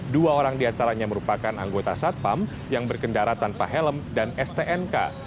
dua orang diantaranya merupakan anggota satpam yang berkendara tanpa helm dan stnk